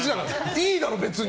いいだろ、別に。